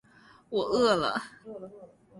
我饿了